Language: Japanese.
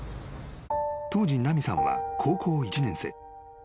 ［当時奈美さんは高校１年生］